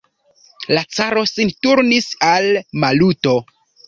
La caro sin turnis al Maluto.